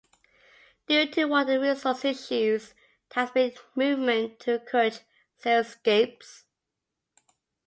Due to water resource issues, there has been a movement to encourage xeriscapes.